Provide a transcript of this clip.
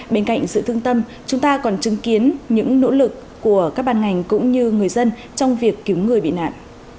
bên cạnh sự thương tâm chúng ta còn chứng kiến những nỗ lực của các ban ngành cũng như người dân trong việc cứu người bị nạn